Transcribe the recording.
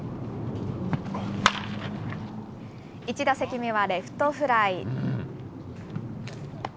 １打席目はレフトフライ。